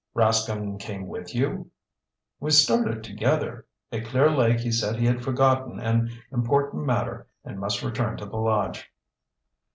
"Rascomb came with you?" "We started together. At Clear Lake he said he had forgotten an important matter and must return to the lodge."